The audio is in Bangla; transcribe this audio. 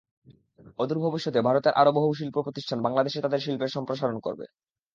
অদূর ভবিষ্যতে ভারতের আরও বহু শিল্পপ্রতিষ্ঠান বাংলাদেশে তাদের শিল্পের সম্প্রসারণ করবে।